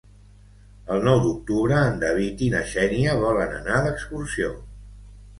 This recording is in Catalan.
El nou d'octubre en David i na Xènia volen anar d'excursió.